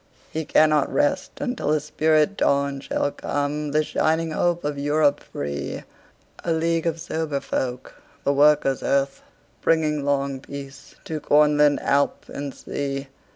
He cannot rest until a spirit dawnShall come;—the shining hope of Europe free:A league of sober folk, the Workers' Earth, Bringing long peace to Cornland, Alp and Sea.